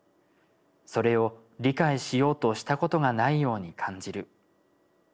それを理解しようとしたことがないように感じる。